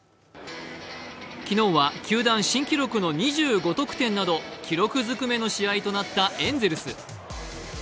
昨日は球団新記録の２５得点など記録ずくめの試合となったエンゼルス。